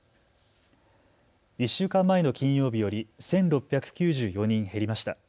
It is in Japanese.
１週間前の金曜日より１６９４人減りました。